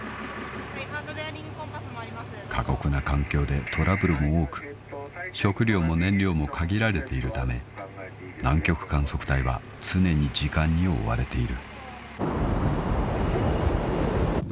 ［過酷な環境でトラブルも多く食料も燃料も限られているため南極観測隊は常に時間に追われている］